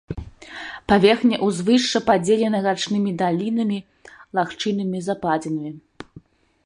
Паверхня ўзвышша падзелена рачнымі далінамі, лагчынамі, западзінамі.